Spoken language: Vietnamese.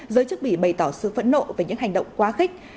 giới chức bỉ bày tỏ sự phẫn nộ về những hành động quá khích